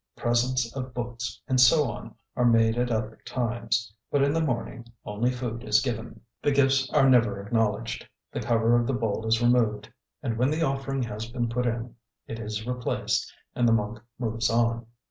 Presents of books, and so on, are made at other times; but in the morning only food is given. The gifts are never acknowledged. The cover of the bowl is removed, and when the offering has been put in, it is replaced, and the monk moves on.